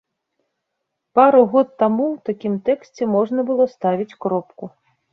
Пару год таму ў такім тэксце можна было ставіць кропку.